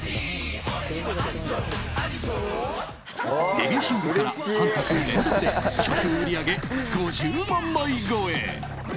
デビューシングルから３作連続で初週売り上げ５０万枚超え。